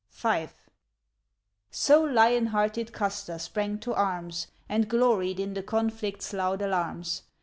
V. So lion hearted Custer sprang to arms, And gloried in the conflict's loud alarms.